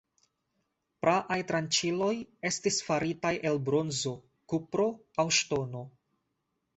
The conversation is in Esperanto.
Praaj tranĉiloj estis faritaj el bronzo, kupro aŭ ŝtono.